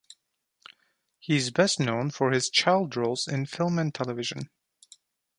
He is best known for his child roles in film and television.